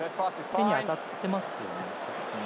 手に当たっていますよね、先に。